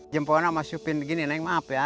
jempolnya sama supin gini naik maaf ya gitu